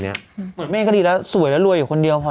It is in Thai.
เหมือนแม่ก็ดีแล้วสวยแล้วรวยอยู่คนเดียวพอ